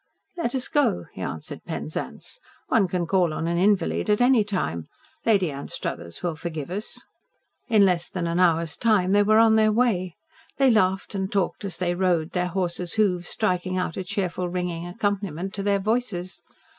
"Let us go," he answered Penzance. "One can call on an invalid at any time. Lady Anstruthers will forgive us." In less than an hour's time they were on their way. They laughed and talked as they rode, their horses' hoofs striking out a cheerful ringing accompaniment to their voices.